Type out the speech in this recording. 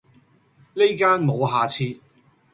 呢間無下次!